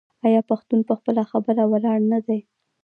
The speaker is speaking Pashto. آیا پښتون په خپله خبره ولاړ نه دی؟